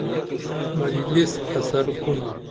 مجلس اثر کُنا